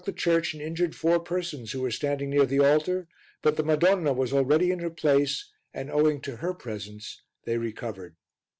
The lightning struck the church and injured four persons who were standing near the altar, but the Madonna was already in her place, and owing to her presence they recovered.